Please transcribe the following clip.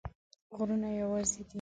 غرونه یوازي دي